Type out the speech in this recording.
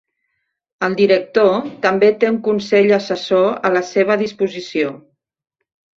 El director també té un consell assessor a la seva disposició.